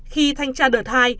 khi thanh tra đợt hai